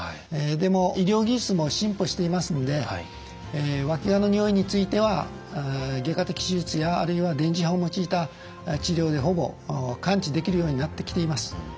でも医療技術も進歩していますのでわきがのにおいについては外科的手術やあるいは電磁波を用いた治療でほぼ完治できるようになってきています。